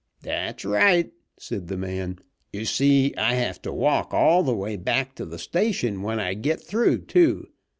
"That's right," said the man. "You see I have to walk all the way back to the station when I git through, too.